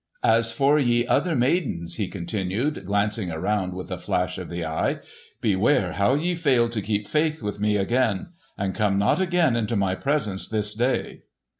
"As for ye other maidens," he continued, glancing around with a flash of the eye, "beware how ye fail to keep faith with me again! And come not again into my presence this day."